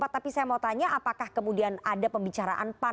tapi saya mau tanya apakah kemudian ada pembicaraan pan